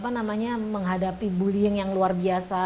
apa namanya menghadapi bullying yang luar biasa